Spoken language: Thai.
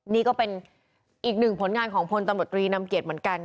นี่ก็เป็นอีกหนึ่งผลงานของพลตำรวจตรีนำเกียจเหมือนกัน